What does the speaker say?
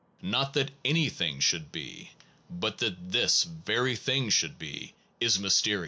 Not only that anything should be, but that this very thing should be, is mysterious!